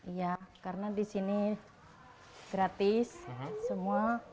iya karena di sini gratis semua